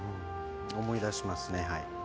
思い出しますね。